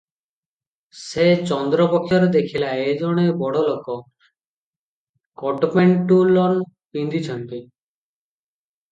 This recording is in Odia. ସେ ଚନ୍ଦ୍ର ପକ୍ଷରେ ଦେଖିଲା ଏ ଜଣେ ବଡ଼ଲୋକ- କୋଟପେଣ୍ଟୁଲନ ପିନ୍ଧିଚନ୍ତି ।